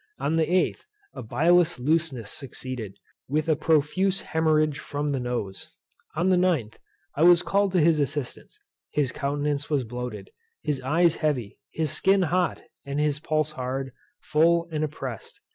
On the 8th, a bilious looseness succeeded, with a profuse hoemorrhage from the nose. On the 9th, I was called to his assistance. His countenance was bloated, his eyes heavy, his skin hot, and his pulse hard, full, and oppressed.